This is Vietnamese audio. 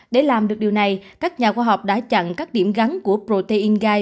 để làm được điều này các nhà khoa học đã chặn các điểm gắn của protein guide